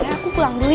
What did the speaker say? aku pulang dulu ya